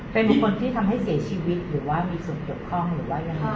เป็นบุคคลที่ทำให้เสียชีวิตหรือว่ามีส่วนเกี่ยวข้องหรือว่ายังไง